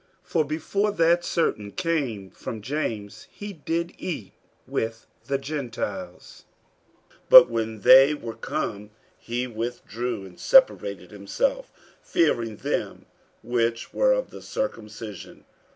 48:002:012 For before that certain came from James, he did eat with the Gentiles: but when they were come, he withdrew and separated himself, fearing them which were of the circumcision.